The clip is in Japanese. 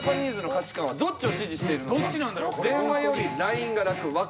どっちを支持しているのか。